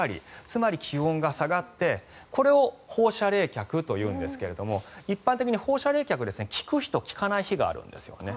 つまり気温が下がってこれを放射冷却というんですが一般的に放射冷却聞く日と聞かない日があるんですよね。